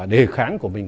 đề kháng của mình